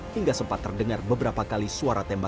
hingga sempat terdengar beberapa kali suara tembakan